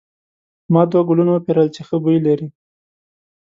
ما دوه ګلونه وپیرل چې ښه بوی لري.